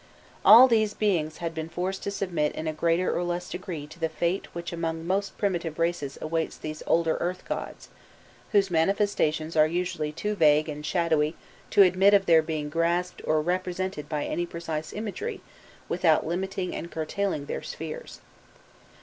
All these beings had been forced to submit in a greater or less degree to the fate which among most primitive races awaits those older earth gods, whose manifestations are usually too vague and shadowy to admit of their being grasped or represented by any precise imagery without limiting and curtailing their spheres.